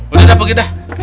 udah udah pergi dah